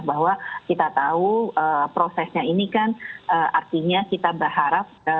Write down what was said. bahwa kita tahu prosesnya ini kan artinya kita berharap